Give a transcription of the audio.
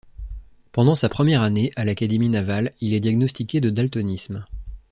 Pendant sa première année à l'académie navale, il est diagnostiqué de daltonisme.